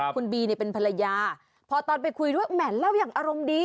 คุณบีเนี่ยเป็นภรรยาพอตอนไปคุยด้วยแหม่เล่าอย่างอารมณ์ดี